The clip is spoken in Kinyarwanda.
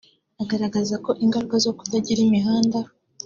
Agaragaza ko ingaruka zo kutagira imihanda